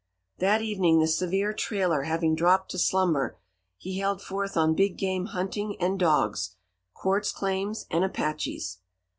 That evening, the severe Trailer having dropped to slumber, he held forth on big game hunting and dogs, quartz claims and Apaches.